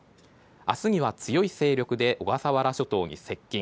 明日には強い勢力で小笠原諸島に接近。